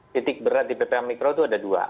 titik berat di ppkm mikro itu ada dua